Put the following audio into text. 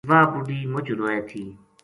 واہ بُڈھی مچ روئے تھی